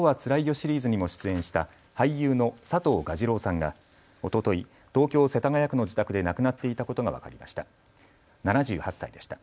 シリーズにも出演した俳優の佐藤蛾次郎さんがおととい、東京世田谷区の自宅で亡くなっていたことが分かりました。